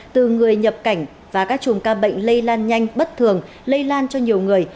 từ người nhập cảnh và các chùm ca bệnh lây lan nhanh bất thường lây lan cho nhiều người